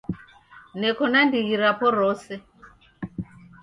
Neko na ndighi rapo rose.